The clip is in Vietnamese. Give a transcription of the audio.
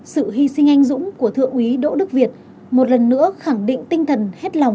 sự hy sinh anh dũng của thượng úy đỗ đức việt một lần nữa khẳng định tinh thần hết lòng